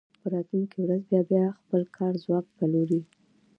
په راتلونکې ورځ بیا خپل کاري ځواک پلوري